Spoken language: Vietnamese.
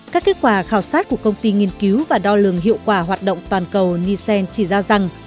các kết quả khảo sát của công ty nghiên cứu và đo lường hiệu quả hoạt động toàn cầu nissan chỉ ra rằng